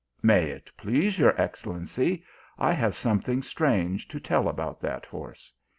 " May it please your excellency, I have something strange to tell about that horse.